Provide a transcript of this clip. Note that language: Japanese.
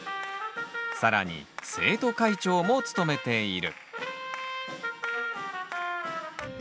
更に生徒会長も務めている。